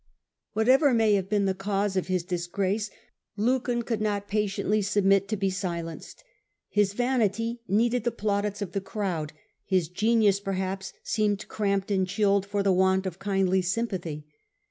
Whatever may have been the cause of his disgrace, Lucan could not patiently submit to be thus silenced. His vanity needed the plaudits of the crowd ; his genius perhaps inhisrescnt seemed cramped and chilled for the want of kindly s\ mpathy.